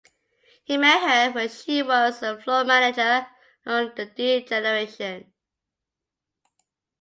He met her when she was a floor manager on "The D-Generation".